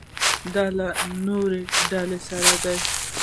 دا له نورو ډلو سره ده.